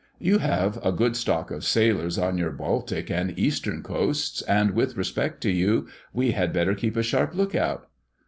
You have a good stock of sailors on your Baltic and Eastern coasts, and with respect to you we had better keep a sharp look out."